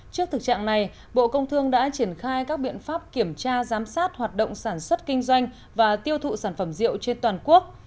trước thực trạng này bộ công thương đã triển khai các biện pháp kiểm tra giám sát hoạt động sản xuất kinh doanh và tiêu thụ sản phẩm rượu trên toàn quốc